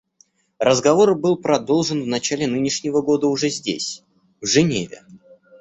Разговор был продолжен в начале нынешнего года уже здесь, в Женеве.